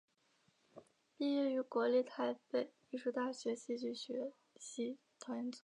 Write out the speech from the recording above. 毕业于国立台北艺术大学戏剧学系导演组。